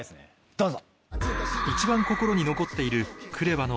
どうぞ。